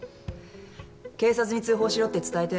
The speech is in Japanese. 警察に通報しろって伝えて。